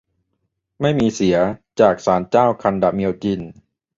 ไม่มีเสีย จากศาลเจ้าคันดะเมียวจิน